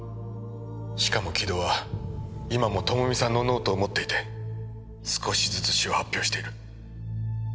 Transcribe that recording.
しかも城戸は今も朋美さんのノートを持っていて少しずつ詩を発表している。